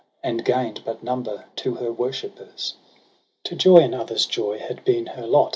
And gain'd but number to her worshippers. APRIL 87 3 To joy in others' joy had been her lot.